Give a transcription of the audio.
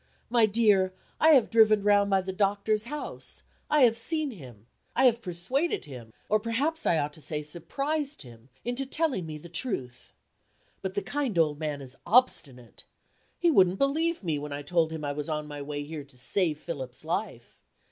My dear, I have driven round by the doctor's house I have seen him I have persuaded him, or perhaps I ought to say surprised him, into telling me the truth. But the kind old man is obstinate. He wouldn't believe me when I told him I was on my way here to save Philip's life.